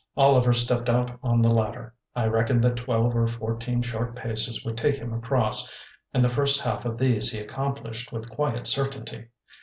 Oliver stepped out on the ladder. I reckoned that twelve or fourteen short paces would take him across, and the first half of these he accomplished with quiet certainty.